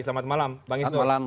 selamat malam bang isnur